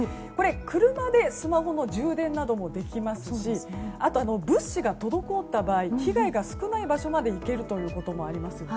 車でスマホの重電などもできますしあと、物資が滞った場合被害が少ない場所まで行けるということもあります。